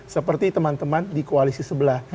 seperti teman teman di koalisi sebelah